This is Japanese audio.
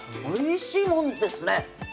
おいしいもんですね